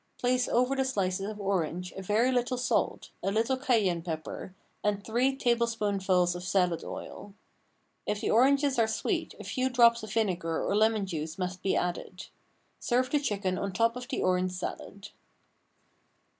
Place over the slices of orange a very little salt, a little cayenne pepper, and three tablespoonfuls of salad oil. If the oranges are sweet a few drops of vinegar or lemon juice must be added. Serve the chicken on top of the orange salad.